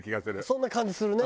そんな感じするね。